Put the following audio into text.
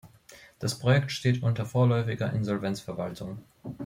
Das Projekt steht unter vorläufiger Insolvenzverwaltung.